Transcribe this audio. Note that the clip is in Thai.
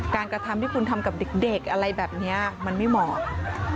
กระทำที่คุณทำกับเด็กอะไรแบบนี้มันไม่เหมาะ